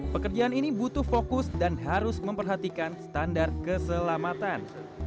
pekerjaan ini butuh fokus dan harus memperhatikan standar keselamatan